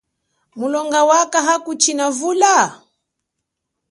Mulonga wakha akuchina vula?